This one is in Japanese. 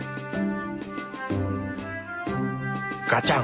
がちゃん。